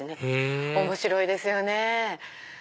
へぇ面白いですよね。